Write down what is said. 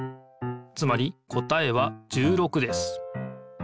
つまり答えは１６です。